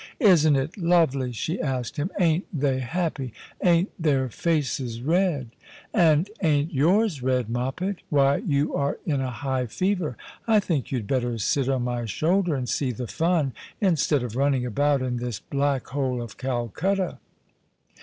"Isn't it lovely?" she asked him. "Ain't they happy ? Ain't their faces red ?"" And ain't yours red. Moppet ! Why, you are in a high fever. I think you had better sit on my shoulder and see the fun, instead of running about in this black hole of Calcutta."